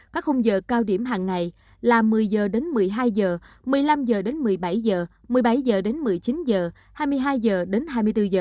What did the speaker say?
các khung giờ cao điểm hàng ngày là một mươi h một mươi hai h một mươi năm h một mươi bảy h một mươi bảy h một mươi chín h hai mươi hai h hai mươi bốn h